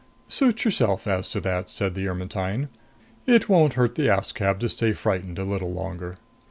"Suit yourself as to that," said the Ermetyne. "It won't hurt the Askab to stay frightened a little longer."